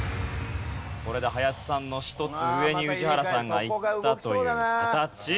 これで林さんの１つ上に宇治原さんが行ったという形。